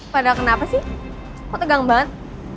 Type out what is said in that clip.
padahal kenapa sih kok tegang banget